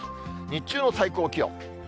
日中の最高気温。